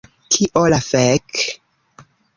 Kio la fek...?